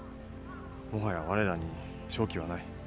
もはや我らに勝機はない。